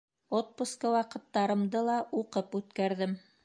Отпускы ваҡыттарымды ла уҡып үткәрҙем.